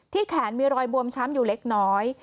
แขนมีรอยบวมช้ำอยู่เล็กน้อย